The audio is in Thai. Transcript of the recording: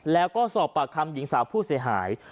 แล้วก็สอบปากคำหญิงสาวผู้เสียหาย